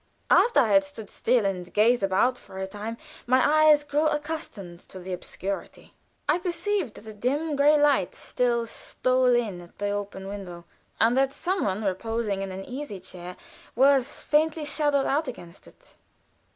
After I had stood still and gazed about for a time, my eyes grew accustomed to the obscurity. I perceived that a dim gray light still stole in at the open window, and that some one reposing in an easy chair was faintly shadowed out against it.